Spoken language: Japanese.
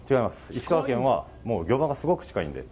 石川県は魚場がすごく近いので。